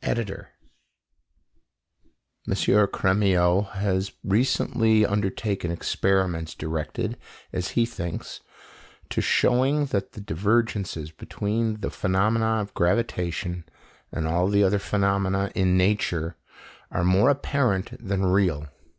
ED.] M. Crémieux has recently undertaken experiments directed, as he thinks, to showing that the divergences between the phenomena of gravitation and all the other phenomena in nature are more apparent than real.